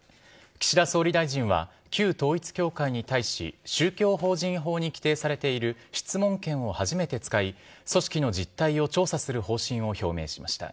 岸田総理大臣は、旧統一教会に対し、宗教法人法に規定されている質問権を初めて使い、組織の実態を調査する方針を表明しました。